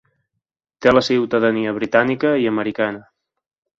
Té la ciutadania britànica i americana.